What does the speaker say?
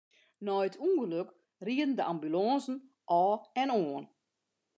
Nei it ûngelok rieden de ambulânsen ôf en oan.